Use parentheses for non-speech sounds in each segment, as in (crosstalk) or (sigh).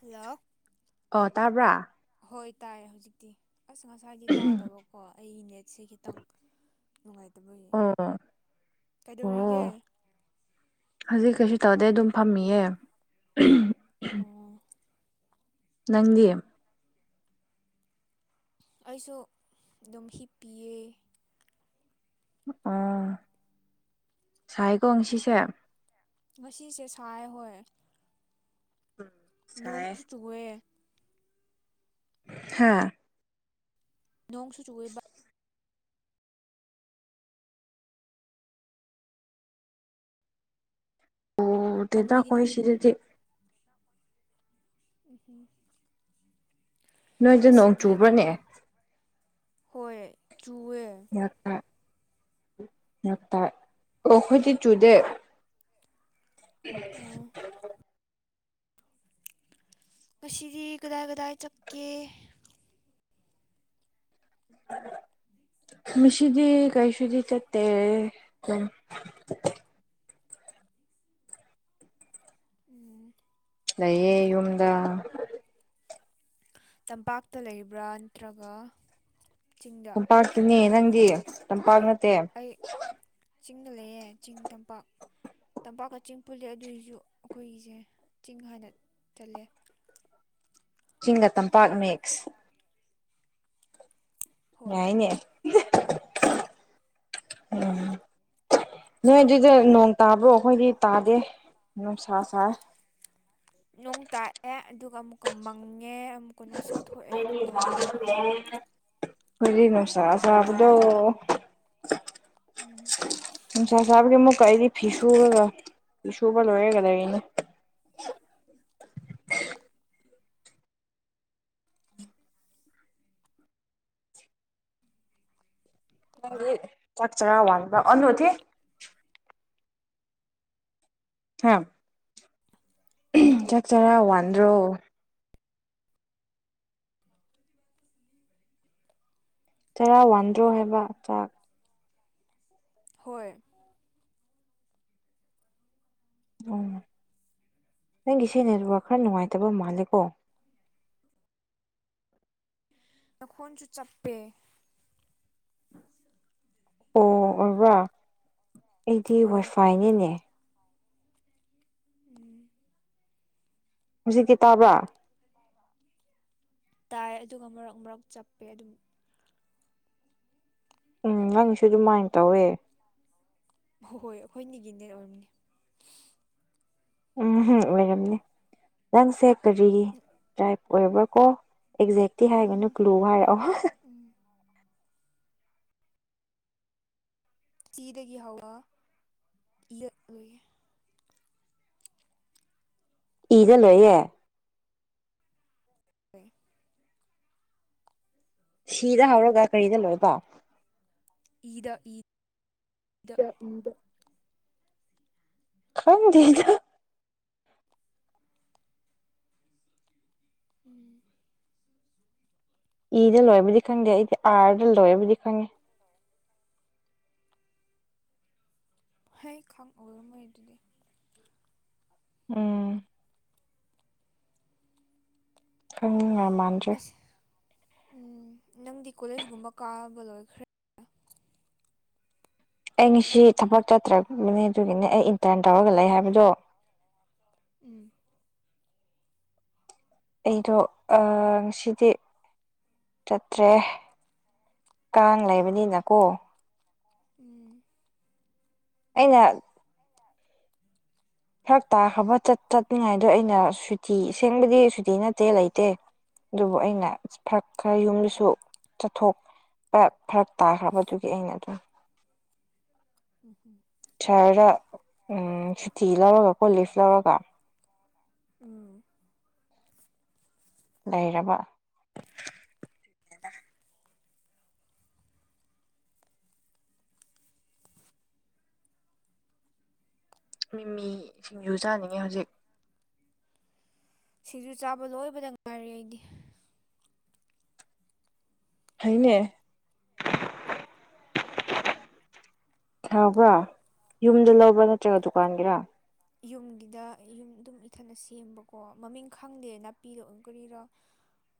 hello ꯑꯣ ꯇꯥꯕ꯭ꯔꯥ ꯍꯣꯏ ꯇꯥꯏ ꯍꯧꯖꯤꯛꯇꯤ ꯑꯁ ꯉꯁꯥꯏꯗꯤ ꯇꯥꯗꯕꯣ ꯀꯣ ꯑꯩ ꯅꯦꯠꯁꯦ ꯈꯤꯇꯪ ꯅꯨꯡꯉꯥꯏꯇꯕ ꯌꯥ ꯑꯣ ꯀꯩꯗꯧꯔꯤꯒꯦ ꯑꯣ ꯍꯧꯖꯤꯛ ꯀꯩꯁꯨ ꯇꯧꯗꯦ ꯑꯗꯨꯝ ꯐꯝꯃꯤꯌꯦ ꯑꯣ ꯅꯪꯗꯤ ꯑꯩꯁꯨ ꯑꯗꯨꯝ ꯍꯤꯞꯄꯤꯌꯦ ꯑꯣ ꯁꯥꯏꯒꯣꯡ ꯁꯤꯁꯦ ꯉꯁꯤꯁꯦ ꯁꯥꯏ ꯍꯣꯏ ꯁꯥꯏ ꯅꯣꯡꯁꯨ ꯆꯨꯒꯦ ꯍꯥꯥ ꯅꯣꯡꯁꯨꯨ ꯆꯨ ꯑꯣꯏꯕ ꯎꯗꯦꯗ ꯅꯣꯏꯗꯤ ꯅꯣ ꯑꯩꯈꯣꯏ ꯁꯤꯗꯗꯤ ꯎꯝ ꯅꯣꯏꯗ ꯅꯣꯡ ꯑꯁꯤꯗꯤ ꯆꯨꯕ꯭ꯔꯅꯦ ꯍꯣꯏ ꯆꯨꯋꯦ ꯥꯏꯥꯛꯥꯏ ꯑꯣꯈꯣꯏꯗꯤ ꯆꯨꯗꯦ ꯑꯣ ꯀꯁꯤꯗꯤ ꯀꯗꯥꯏ ꯀꯗꯥꯏ ꯆꯠꯀꯦ ꯃꯤꯁꯤꯗꯤ ꯀꯩꯁꯨꯗꯤ ꯆ ꯇ ꯀ ꯎꯝ ꯂꯩꯌꯦ ꯌꯨꯝꯗ ꯇꯝꯄꯥꯛꯇ ꯂꯩꯕ꯭ꯔꯥ ꯅꯠꯇ꯭ꯔꯒ ꯆꯤꯡꯗ ꯇꯝꯄꯥꯛꯀꯤꯅꯦ ꯅꯪꯒꯤ ꯇꯝꯄꯥꯛ ꯅꯠꯇꯦ ꯑꯩ ꯆꯤꯡꯗ ꯂꯩꯌꯦ ꯆꯤꯡ ꯇꯝꯄꯥꯛ ꯇꯝꯄꯥꯛꯀ ꯆꯤꯡ ꯄꯨꯜꯂꯦ ꯑꯗꯨꯏꯁꯨ ꯑꯩꯈꯣꯏꯒꯤꯁꯦ ꯆꯤꯡ ꯍꯥꯟꯅ ꯆꯠꯂꯦ ꯆꯤꯡꯒ ꯇꯝꯄꯥꯛ ꯃꯦꯛꯁ (inaudible) (unintelligible) ꯍꯣꯏ ꯌꯥꯏꯅꯦ (unintelligible) ꯎꯝ ꯅꯣꯏ ꯑꯗꯨꯗꯥ ꯅꯣꯡ ꯇꯥꯕ꯭ꯔꯣ ꯑꯩꯈꯣꯏꯗꯤ ꯇꯥꯗꯦ ꯅꯨꯡꯁꯥ ꯁꯥꯏ ꯅꯣꯡ ꯇꯥꯛꯑꯦ ꯑꯗꯨꯒ ꯑꯃꯨꯛꯀ ꯃꯪꯉꯦ ꯑꯃꯨꯛꯀ ꯅꯨꯡꯁꯥ ꯊꯣꯛꯑꯦ ꯑꯗꯨꯝ ꯇꯧꯋꯦꯕ ꯍ (unintelligible) ꯑꯩꯈꫭꯏꯗꯤ ꯅꯨꯡꯁꯥ ꯁꯥꯕꯗꯣ ꯎꯝ ꯅꯨꯡꯁꯥ ꯁꯥꯕꯒꯤ ꯃꯨ ꯀꯥ ꯑꯩ ꯐꯤ ꯁꯨꯔꯒ ꯐꯤ ꯁꯨꯨꯕ ꯂꯣꯏꯔꯒ ꯂꯩꯔꯤꯅꯦ ꯆꯥꯛꯆꯒꯥ ꯋꯥꯕ (unintelligible) ꯍꯥ ꯀꯥꯔꯤꯕꯨ ꯆꯥꯛ ꯆꯔꯥ ꯋꯥꯟꯗ꯭ꯔꯣ ꯆꯔꯥ ꯋꯥꯟꯗ꯭ꯔꯣ ꯍꯥꯏꯕ ꯆꯥꯛ ꯍꯣꯏ ꯑꯣ ꯅꯪꯒꯤꯁꯤ ꯅꯦꯠꯋꯥꯔꯛ ꯈꯔ ꯅꯨꯡꯉꯥꯏꯇꯕ ꯃꯥꯜꯂꯦꯀꯣ ꯅꯈꯣꯟꯁꯨ ꯆꯞꯄꯦ ꯑꯣ ꯑꯣꯏꯔꯕ ꯑꯩꯗꯤ ꯍꯣꯏ ꯋꯥꯏꯐꯥꯏꯅꯤꯅꯦ ꯎꯝ ꯍꯧꯖꯤꯛꯀꯤ ꯇꯥꯕ꯭ꯔꯥ ꯇꯥꯏ ꯑꯗꯨꯒ ꯃꯔꯛ ꯃꯔꯛ ꯆꯞꯄꯦ ꯑꯗꯨꯝ ꯎꯝ ꯅꯪꯁꯨ ꯑꯗꯨꯃꯥꯏꯅ ꯇꯧꯋꯦ ꯍꯣꯏ ꯍꯣꯏ ꯑꯩꯈꯣꯏ ꯅꯤꯒꯤ ꯅꯦꯠ ꯑꯣꯏꯔꯝꯅꯦ ꯎꯝꯝ ꯑꯣꯏꯔꯝꯅꯦ ꯅꯪꯁꯦ ꯀꯔꯤ ꯗ꯭ꯔꯥꯏꯞ ꯑꯣꯏꯔꯕ꯭ꯔꯥ ꯀꯣ ꯑꯦꯛꯖꯦꯛꯇꯤ ꯍꯥꯏꯒꯅꯨ ꯎꯝ ꯀ꯭ꯂꯨ ꯍꯥꯏꯔꯛꯑꯣ (unintelligible) ꯏꯔ ꯂꯩꯏꯌꯦ (unintelligible) ꯁꯤꯗ ꯍꯧꯔꯒ ꯀꯩꯗ ꯂꯣꯏꯕ ꯏꯗ ꯏ ꯎꯗ (unintelligible) ꯈꯪꯗꯦꯗꯥ (unintelligible) ꯏꯗ ꯂꯣꯏꯕꯗꯤ ꯈꯪꯗꯦ ꯑꯩꯗꯤ ꯑꯥꯔꯗ ꯂꯣꯏꯔꯕꯗꯤ ꯈꯪꯉꯤ ꯍꯥꯏ ꯈꯪ ꯑꯏꯔꯝꯃꯣꯏ ꯑꯗꯨꯗꯤ ꯎꯝ (unintelligible) ꯑꯁ ꯎꯝ ꯅꯪꯗꯤ ꯀꯣꯂꯦꯖꯀꯨꯝꯕ ꯀꯥꯕ ꯂꯣꯏꯈ꯭ꯔꯦ ꯑꯩ ꯉꯁꯤ ꯊꯕꯛ ꯆꯠꯇ꯭ꯔꯛꯕꯅꯦ ꯑꯗꯨꯒꯤꯅꯦ ꯑꯩ ꯏꯟꯇꯔꯟ ꯇꯧꯔꯒ ꯂꯩ ꯍꯥꯏꯕꯗꯣ ꯎꯝ ꯑꯩꯗꯣ ꯑꯥ ꯉꯁꯤꯗꯤ ꯆꯠꯇ꯭ꯔꯦ ꯀꯥꯡ ꯂꯩꯕꯅꯤꯅꯀꯣ ꯎꯝ ꯑꯩꯅ ꯐꯔꯛ ꯇꯥꯈꯕ‌ ꯆꯠꯅꯤꯉꯥꯏꯗꯣ ꯑꯩꯅ ꯁꯨꯇꯤ ꯁꯦꯡꯕꯗꯤ ꯁꯨꯇꯤ ꯅꯠꯇꯦ ꯂꯩꯇꯦ ꯑꯗꯨꯕꯨ ꯑꯩꯅ ꯐꯔꯛ ꯈꯔ ꯌꯨꯝꯗꯁꯨ ꯆꯠꯊꯣꯛ ꯄꯥ ꯐꯔꯛ ꯇꯥꯈ꯭ꯔꯕꯗꯨꯒꯤ ꯑꯩꯅ ꯑꯗꯨꯝ ꯎꯝ ꯁꯍꯔꯗ ꯁꯨꯇꯤ ꯂꯧꯔꯒ ꯀꯣ ꯂꯤꯐ ꯂꯧꯔꯒ ꯎꯝ ꯂꯩꯔꯕ ꯃꯤꯃꯤ ꯁꯤꯡꯖꯨ ꯆꯥꯅꯤꯡꯉꯦ ꯍꯧꯖꯤꯛ ꯁꯤꯁꯨ ꯆꯥꯕ ꯂꯣꯏꯕꯗ ꯉꯥꯏꯔꯤ‌ ꯑꯩꯗꯤ ꯍꯥꯏꯅꯦ ꯍꯕ꯭ꯔꯥ ꯌꯨꯝꯗ ꯂꯧꯕ꯭ꯔꯥ ꯅꯠꯇ꯭ꯔꯒ ꯗꯨꯀꯥꯟꯒꯤꯔ ꯌꯨꯝꯒꯤꯗ ꯌꯨꯝ ꯑꯗꯨꯝ ꯏꯊꯅ ꯁꯦꯝꯕꯀꯣ ꯃꯃꯤꯡ ꯈꯪꯗꯦ ꯅꯥꯄꯤꯗꯣ ꯀꯔꯤꯔꯣ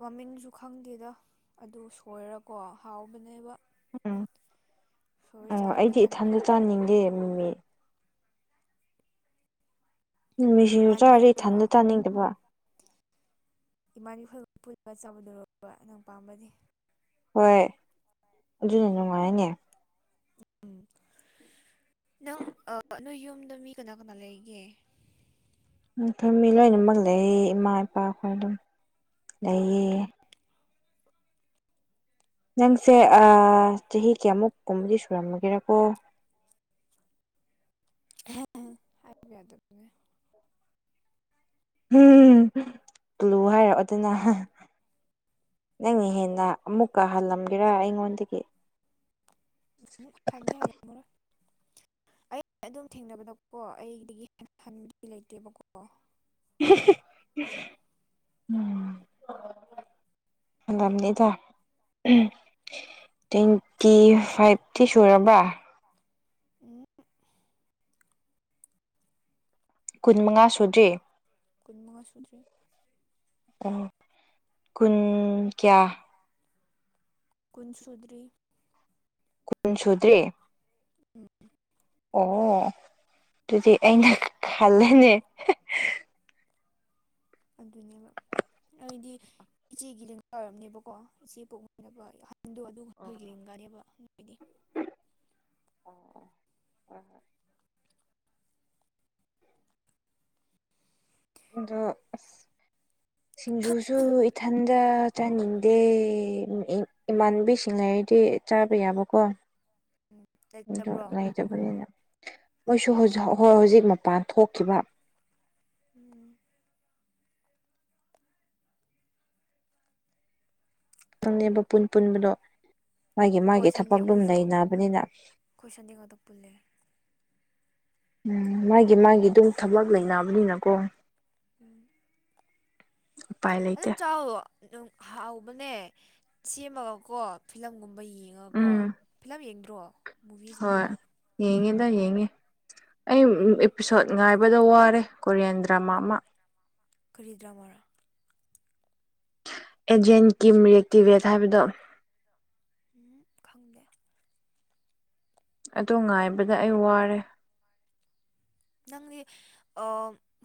ꯃꯃꯤꯡꯁꯨ ꯈꯪꯗꯦꯗ ꯑꯗꯨ ꯁꯣꯏꯔꯀꯣ ꯍꯥꯎꯕꯅꯦꯕ ꯎꯝ ꯁꯣꯏꯔ ꯑꯣ ꯆꯥꯔꯦ ꯑꯩꯗꯤ ꯏꯊꯟꯗ ꯆꯥꯅꯤꯡꯗꯦ ꯃꯤꯃꯤ ꯃꯤꯁꯤꯡꯁꯨ ꯏꯃꯥꯟꯕꯤ ꯆꯥꯔ ꯈꯣꯏꯒ ꯏꯊꯟꯗ ꯇꯥꯅꯤꯡꯗꯕ ꯏꯃꯥꯒꯤ ꯐꯣꯏꯒ ꯄꯨꯜꯂꯒ ꯆꯥꯎꯥꯕꯗꯕ ꯅꯪ ꯄꯥꯝꯕꯗꯤ ꯍꯣꯏ ꯑꯗꯨꯅꯤ ꯅꯨꯡꯉꯥꯏꯅꯦ ꯎꯝꯝ ꯅꯪ ꯅꯣꯏ ꯌꯨꯝꯗ ꯃꯤ ꯀꯅꯥ ꯀꯅꯥ ꯂꯩꯒꯦ ꯎ ꯐꯣꯏꯃꯤ ꯂꯣꯏꯅꯃꯛ ꯂꯩꯌꯦ ꯏꯃꯥ ꯏꯄꯥꯈꯣꯏ ꯑꯗꯨꯝ ꯂꯩꯌꯦ ꯎꯝ ꯅꯪꯁꯦ ꯆꯍꯤ ꯀꯌꯥꯃꯨꯛ ꯀꯨꯝꯕꯗꯤ ꯁꯨꯔꯝꯃꯒꯦꯔꯀꯣ ꯍꯥꯏꯕꯤ ꯌꯥꯗ ꯎꯝ ꯇꯂꯨ ꯍꯥꯏꯔꯛꯑꯣ ꯑꯗꯨꯅ ꯅꯪꯅ ꯍꯦꯟꯅ ꯑꯃꯨꯛꯀ ꯍꯜꯂꯝꯒꯦꯔ ꯑꯩꯉꯣꯟꯗꯒꯤ ꯍꯦ ꯍꯥꯏꯂ ꯑ ꯑꯗꯨꯝ ꯊꯦꯡꯅꯕꯗ ꯀꯣ ꯑꯩꯗꯒꯤ ꯍꯟꯅ ꯍꯟꯕꯗꯤ ꯂꯩꯇꯦꯕꯀꯣ ꯎꯝ (unintelligible) ꯑꯝꯅꯤꯗ ꯇ꯭ꯋꯦꯟꯇꯤ ꯐꯥꯏꯚꯇꯤ ꯁꯨꯔꯕ ꯎ ꯀꯨꯟ ꯃꯉꯥ ꯁ ꯀꯨꯟ ꯃꯉꯥ ꯁꯨꯗ꯭ꯔꯦ ꯀꯨꯟ ꯀꯌꯥ ꯀꯨꯟ ꯁꯨꯗ꯭ꯔꯤ ꯀꯨꯟ ꯁꯨꯗ꯭ꯔꯦ ꯎꯝ ꯑꯣ ꯑꯗꯨꯗꯤ ꯑꯩꯅ ꯈꯜꯂꯅꯦ ꯑꯗꯨꯅꯦꯕ ꯑꯩꯗꯤ ꯏꯆꯦꯒꯤ ꯂꯦꯡꯗꯥ ꯑꯣꯏꯔꯝꯅꯦꯕꯀꯣ ꯏꯆꯦ ꯄꯣꯛꯃꯤꯅꯕ ꯗ ꯑꯗꯨꯒ ꯍꯣꯏ ꯂꯤꯡꯒꯅꯦꯕ ꯑꯗꯨꯗꯤ ꯑꯣ ꯍꯣꯏꯖ ꯑ (unintelligible) ꯁꯤꯡꯖꯨꯁꯨ ꯏꯊꯟꯗ ꯆꯥꯅꯤꯡꯗꯦ ꯏꯃꯥꯟꯕꯤꯁꯤꯡ ꯂꯩꯔꯗꯤꯚ ꯆꯥꯕ ꯌꯥꯕꯀꯣ ꯂꯩꯇꯕ꯭ꯔꯣ ꯑ ꯂꯩꯇꯕꯅꯤꯅ ꯃꯣꯏꯁꯨ ꯍꯧꯖꯤꯛ ꯃꯄꯥꯟ ꯊꯣꯛꯈꯤꯕ ꯎꯝ ꯪꯅꯦꯕ ꯄꯨꯟ ꯄꯨꯟꯕꯗꯣ ꯃꯥꯒꯤ ꯍꯣꯏ ꯃꯥꯒꯤ ꯁꯟꯗꯦ ꯊꯕꯛ ꯑꯗꯨꯨꯝ ꯑꯩꯈꯣꯏꯁꯨ ꯅꯩꯅꯅꯕꯅꯤꯅ ꯑꯩꯈꯣꯏ ꯁꯟꯗꯦ ꯉꯥꯛꯇ ꯄꯨꯜꯂꯦ ꯎꯝ ꯃꯥꯒꯤ ꯃꯥꯒꯤ ꯑꯗꯨꯝ ꯊꯕꯛ ꯂꯩꯅꯕꯅꯤꯅꯀꯣ ꯎꯝ ꯎꯄꯥꯏ ꯑꯗꯨꯝ ꯂꯩꯇꯦ ꯆꯥꯎꯣ ꯍꯧꯕꯅꯦ ꯁꯦꯝꯃꯒꯀꯣ ꯐꯤꯂꯝꯒꯨꯝꯕ ꯌꯦꯡꯉꯀꯣ ꯎꯝ ꯐꯤꯂꯝ ꯌꯦꯡꯗ꯭ꯔꯣ ꯍꯣꯏ ꯃꯨꯚꯤꯁꯀꯨꯝꯕ ꯌꯦꯡꯉꯦꯗ ꯌꯦꯡꯉꯦ ꯑꯩ ꯏꯄꯤꯁꯣꯠ ꯉꯥꯏꯕꯗ ꯋꯥꯔꯦ ꯀꯣꯔꯤꯌꯟ ꯗ꯭ꯔꯃꯥ ꯑꯃ ꯀꯔꯤꯗ꯭ꯔꯥꯃꯔꯥ ꯑꯦꯖꯦꯟ ꯀꯤꯝ ꯔꯤꯌꯦꯛꯇꯤꯚꯦꯠ ꯍꯥꯏꯕꯗꯣ ꯎ ꯈꯪꯗꯦ ꯑꯗꯨ ꯉꯥꯏꯕꯗ ꯑꯩ ꯋꯥꯔꯦ ꯅꯪꯗꯤ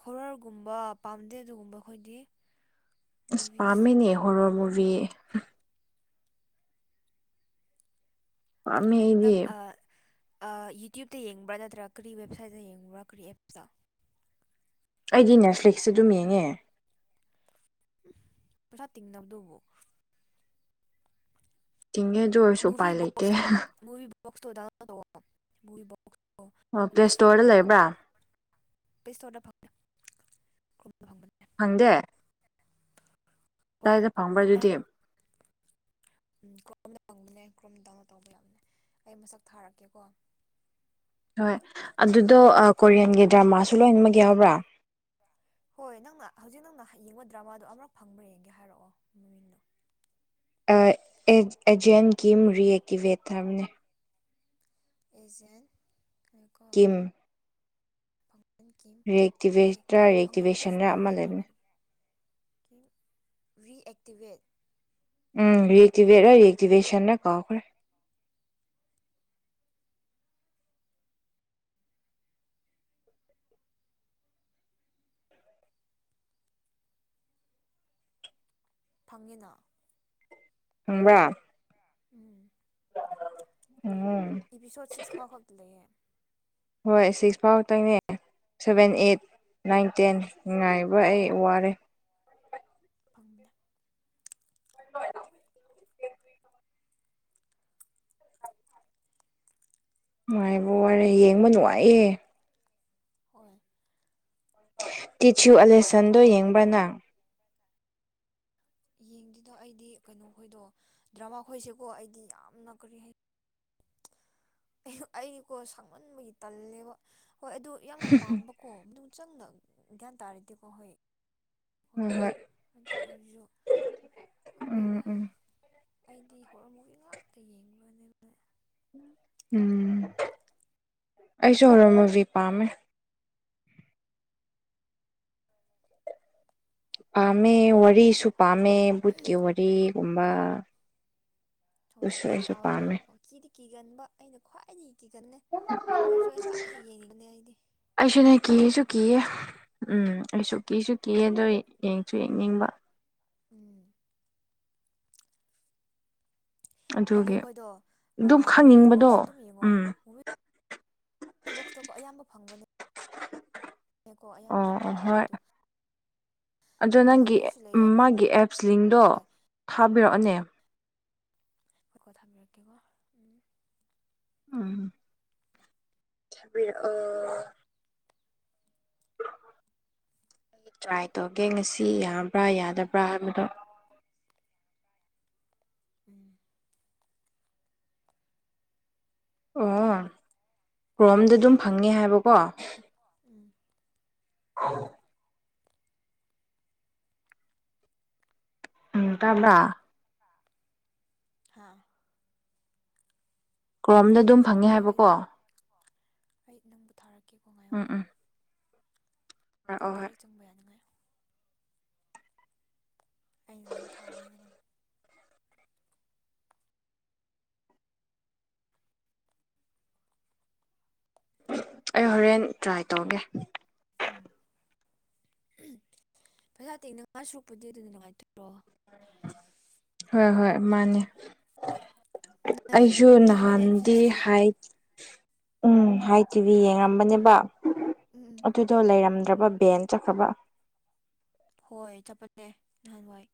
ꯍꯣꯔꯔꯒꯨꯝꯕ ꯄꯥꯝꯗꯦ ꯑꯗꯨꯒꯨꯝꯕ ꯑꯩꯈꯣꯏꯗꯤ ꯑꯁ ꯃꯨꯚꯤꯁ ꯄꯥꯝꯃꯤꯅꯦ ꯍꯣꯔꯣ ꯃꯨꯚ ꯄꯥꯝꯃꯦ ꯑꯩꯗꯤ ꯅꯪ ꯌꯨꯇ꯭ꯌꯕꯇ ꯌꯦꯡꯕ꯭ꯔꯥ ꯅꯠꯇ꯭ꯔ ꯀꯔꯤ ꯋꯦꯕꯁꯥꯏꯠꯇ ꯌꯦꯡꯕ꯭ꯔꯥ ꯀꯔꯤ ꯑꯦꯞꯁꯇ ꯑꯩꯗꯤ ꯅꯦꯠꯐ꯭ꯂꯤꯛꯁꯁꯦ ꯑꯗꯨꯝ ꯌꯦꯡꯉꯦ ꯄꯩꯁꯥ ꯇꯤꯡꯗꯅꯕꯗꯧꯕ ꯇꯤꯡꯉꯦ ꯑꯗꯨ ꯑꯣꯏꯔꯁꯨ ꯃꯨꯚꯤ ꯎꯄꯥꯏ ꯂꯩꯇꯦ ꯕꯣꯛꯁ ꯊꯣ ꯃꯨꯚꯤ ꯕꯣꯛꯁ ꯊ ꯗꯥꯎꯟꯂꯣꯗ ꯇꯧꯋꯣ ꯃꯨꯚꯤ ꯚꯣꯛꯁ ꯑꯣ ꯄ꯭ꯂꯦ ꯑꯣꯂ ꯐ꯭ꯔꯤ ꯏꯁꯇꯣꯔꯗ ꯂꯩꯕ꯭ꯔꯥ ꯐꯪꯕꯗ ꯄꯦꯁꯇꯔꯗ ꯐꯪ ꯀ ꯐꯪꯕꯅꯦ ꯍꯪꯗꯦ ꯀꯗꯥꯏꯗ ꯐꯪꯕ꯭ꯔꯥ ꯑꯗꯨꯗꯤ ꯎꯝ ꯀ ꯐꯪꯕꯅꯦ ꯀ꯭ꯔꯨꯝꯗꯥꯎꯅ ꯇꯧꯕ ꯌꯥꯕꯅꯦ ꯑꯩ ꯃꯁꯛ ꯊꯥꯔꯛꯀꯦꯀꯣ ꯍꯣꯏ ꯑꯗꯨꯗꯣ ꯀꯣꯔꯤꯌꯟꯒꯤ ꯗ꯭ꯔꯃꯥꯁꯨ ꯂꯣꯏꯅꯃꯛ ꯌꯥꯎꯕ꯭ꯔꯥ ꯍꯣꯏ ꯅꯪꯅ ꯍꯧꯖꯤꯛ ꯅꯪꯅ ꯍ ꯌꯦꯡꯕ ꯗ꯭ꯔꯃꯥꯗꯣ ꯑꯃꯛ ꯐꯪꯕ꯭ꯔ ꯌꯦꯡꯒꯦ ꯍꯥꯏꯔꯛꯑꯣ ꯃꯃꯤꯡꯗꯣ ꯑꯦꯖꯦꯟ ꯀꯝ ꯔꯤꯑꯛꯇꯤꯚꯦꯠ ꯊꯔꯝꯃꯦ ꯑꯦꯖꯦꯟ ꯂꯩꯀꯣ ꯀꯤꯝ ꯐꯪꯁꯟ ꯀꯤꯝ ꯔꯤꯑꯦꯛꯇꯤꯚꯦꯠꯔ ꯔꯤꯑꯛꯇꯤꯚꯦꯠ ꯐꯪꯗꯕ ꯈꯔꯁꯨ ꯔꯤꯑꯦꯛꯇꯤꯚꯦꯁꯟꯔ ꯑꯃ ꯂꯩꯕꯅꯦꯕ ꯂꯩꯕꯅꯦ ꯑꯗꯨꯒꯤ ꯔꯤꯑꯦꯛꯇꯤꯚꯦꯠ ꯎꯝ ꯔꯔꯤꯑꯦꯛꯇꯤꯚꯦꯠꯔ ꯔꯤꯑꯛꯇꯤꯚꯦꯁꯟꯔ ꯀꯥꯎꯈ꯭ꯔꯦ ꯐꯪꯉꯤꯅ ꯈꯪꯕ ꯎꯝ ꯎꯝ ꯏꯄꯤꯁꯣꯠ ꯁꯤꯛꯁ ꯐꯥꯎ ꯈꯛꯇ ꯂꯩꯌꯦ ꯍꯣꯏ ꯁꯤꯛꯁ ꯐꯥꯎ ꯈꯛꯇꯪꯅꯦ ꯁꯚꯦꯟ ꯑꯩꯠ ꯅꯥꯏꯟ ꯇꯦꯟ ꯉꯉꯥꯏꯕ ꯑꯩ ꯋꯥꯔꯦ ꯐꯪꯕꯅ ꯅꯨꯡꯥꯏꯕ ꯋꯥꯔꯦ ꯌꯦꯡꯕ ꯅꯨꯡꯉꯥꯏꯌꯦꯦ ꯍꯣꯏ ꯇꯤꯆꯌꯨ ꯑꯂꯦꯁꯟꯗꯣ ꯌꯦꯡꯕ꯭ꯔꯥ ꯅꯪ ꯌꯦꯡꯗꯗꯣ ꯑꯩꯗꯤ ꯀꯩꯅꯣ ꯈꯣꯏꯗꯣ ꯗ꯭ꯔꯃꯥ ꯈꯣꯏꯁꯤꯦꯀꯣ ꯑꯩꯗꯤ ꯌꯥꯝꯅ ꯀꯔꯤ ꯍꯥꯏ ꯑꯩꯀꯣ ꯁꯛꯃꯟꯕꯒꯤ ꯇꯜꯂꯦꯕ ꯍꯣꯏ ꯑꯗꯨ ꯌꯥꯝꯅ ꯄꯥꯝꯕ ꯀꯣ ꯃ ꯆꯪꯅ ꯒ꯭ꯌꯥꯟ ꯇꯥꯔꯗꯤꯀꯣ ꯍꯣꯏ ꯍꯣ ꯍꯣꯏ ꯍꯣꯏ ꯑꯗꯨ ꯑꯣꯏꯔꯁꯨ ꯎꯝ ꯈꯪꯗꯦꯗ ꯎꯝ ꯑꯩꯗꯤ ꯍꯣꯔꯃꯨꯛꯒꯤ ꯉꯥꯛꯇ ꯌꯦꯡꯕꯅꯦꯕ ꯎꯝ ꯑꯩꯁꯨ ꯍꯣꯔꯝ ꯃꯨꯕꯤ ꯄꯥꯝꯃꯦ ꯄꯥꯝꯃꯦ ꯋꯥꯔꯤꯁꯨ ꯄꯥꯝꯃꯦ ꯎꯝ ꯕꯨꯠꯀꯤ ꯋꯥꯔꯤꯒꯨꯝꯕ ꯍꯣꯏ ꯑꯗꯨꯁꯨ ꯑꯩꯁꯨ ꯇꯥꯕ ꯄꯥꯝꯃꯦ ꯀꯥꯟꯗꯀꯣ ꯀꯤꯗꯤ ꯀꯤꯒꯟꯕ ꯑꯩꯅ ꯈ꯭ꯋꯥꯏꯗꯒꯤ ꯀꯤꯒꯟꯅꯂꯦ ꯑꯗꯨ ꯑꯣꯏꯔꯁꯨ ꯑꯩ ꯈ꯭ꯋꯥꯏꯗꯒꯤ ꯌꯦꯡꯅꯤꯡꯤꯕꯅꯦ ꯑꯩꯗꯤ ꯑꯩꯁꯨꯅꯦ ꯀꯤꯔꯁꯨ ꯀꯤꯌꯦ ꯎꯝ ꯑꯩꯁꯨ ꯀꯤꯁꯨ ꯀꯤ ꯑꯗꯨꯗ ꯌꯦꯡꯁꯨ ꯌꯦꯡꯅꯤꯡꯕ ꯎꯝ ꯑꯗꯨ ꯑꯗꯨꯒꯤ ꯑꯩꯈꯣꯏꯗꯣ ꯑꯗꯨꯝ ꯅꯨꯨꯔꯤ ꯈꯪꯅꯤꯡꯕꯗꯣ ꯕꯣꯛꯁ ꯑꯗꯨꯝ ꯌꯦꯡꯉꯣ ꯎꯝ ꯅꯨꯔꯤ ꯕꯣꯛꯁꯇꯀꯣ ꯑꯌꯥꯝꯕ ꯐꯪꯕꯅꯦ (inaudible) ꯀꯣ ꯑꯌꯥꯝꯕꯗꯤ ꯑꯣ ꯑꯣ ꯐꯪꯕꯅꯦ ꯍꯣꯏ ꯑꯗꯣ ꯑꯗꯣ ꯅꯪꯒꯤ ꯂꯩꯌꯦ ꯃꯥꯒꯤ ꯑꯦꯞꯁ ꯂꯤꯡꯗꯣ ꯑꯦ ꯊꯥꯕꯤꯔꯛꯑꯣꯅꯦ ꯍꯣꯏꯀꯣ ꯊꯥꯕꯤꯔꯛꯀꯦꯀꯣ ꯎꯝ ꯎꯝ ꯑ ꯑꯩ ꯇ꯭ꯔꯥꯏ ꯇꯧꯒꯦ ꯉꯁꯤ ꯌꯥꯕ꯭ꯔꯥ ꯌꯥꯗꯕ꯭ꯔꯥ ꯍꯥꯏꯕꯗꯣ (unintelligible) ꯑꯣ ꯀ꯭ꯔꯣꯝꯗ ꯑꯗꯨꯝ ꯐꯪꯉꯦ ꯍꯥꯏꯕꯀꯣ ꯎꯝ (unintelligible) ꯎꯝ ꯇꯕ꯭ꯔꯥ ꯍꯥꯥ ꯀ꯭ꯔꯣꯝꯗ ꯑꯩ ꯑꯩ ꯑꯗꯨꯝ ꯐꯪꯉꯦ ꯊꯥꯔꯛꯀꯦ ꯑꯩ ꯍꯥꯏꯕꯀꯣ ꯂꯤꯡ ꯑꯩ ꯅꯪꯕꯨ ꯊꯥꯔꯛꯀꯦꯀꯣ ꯎꯝ ꯉꯥꯏꯌꯨꯀꯣ ꯎꯝ ꯅꯪ ꯄꯨꯔꯛꯑꯣ ꯍꯣꯏ ꯗꯥꯏꯔꯦꯛ ꯆꯪꯕ ꯌꯥꯅꯤꯉꯥꯏ ꯑꯩ ꯂꯤꯡ ꯊꯥꯕꯅꯦꯕ ꯑꯩ ꯍꯣꯔꯦꯟ ꯇ꯭ꯔꯥꯏ ꯇꯧꯒꯦ ꯎꯝ ꯄꯩꯁꯥ ꯇꯦꯡꯅꯉꯥꯏ ꯁꯨꯔꯛꯄꯨꯗꯤ ꯑꯗꯨꯅ ꯅꯨꯡꯉꯥꯏꯇ꯭ꯔꯣ ꯍꯣꯏ ꯍꯣꯏ ꯃꯥꯅꯦ ꯅꯣꯏ ꯑꯩꯁꯨ ꯅꯣꯏ ꯑꯗꯨ ꯅꯍꯥꯟꯗꯤ ꯅꯦꯠꯐ꯭ꯂꯤꯛꯁꯇꯤ ꯎꯝ ꯍꯥꯏ ꯎꯝ ꯍꯥꯏ ꯇꯤꯚꯤ ꯌꯦꯡꯉꯝꯕꯅꯦꯕ ꯎꯝ ꯑꯗꯨꯗꯣ ꯂꯩꯔꯝꯗ꯭ꯔꯕ ꯕꯦꯟ ꯆꯠꯈ꯭ꯔꯕ ꯍꯣꯏ ꯆꯠꯄꯅꯦ ꯅꯍꯥꯟꯋꯥꯏ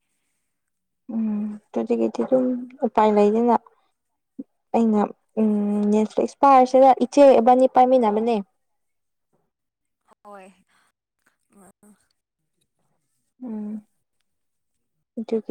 ꯎꯝ ꯑꯗꯨꯇꯤꯀꯩꯗꯤꯤ ꯑꯗꯨꯝ ꯎꯄꯥꯏ ꯂꯩꯗꯅ ꯑꯩꯅ ꯅꯦꯠꯐ꯭ꯂꯤꯛꯁ ꯎꯝꯁꯄꯥꯔꯁꯦꯗ ꯏꯆꯦꯕꯅꯤ ꯄꯥꯏꯃꯤꯅꯕꯅꯦ ꯍꯣꯏ ꯎꯝ ꯑꯗꯨꯕꯨꯗꯤ